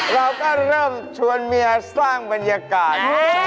เราก็เริ่มชวนเมียสร้างบรรยากาศ